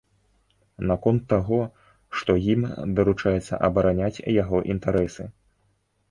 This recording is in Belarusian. Наконт таго, што ім даручаецца абараняць яго інтарэсы.